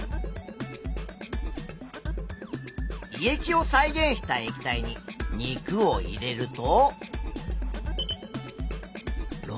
胃液を再現した液体に肉を入れると。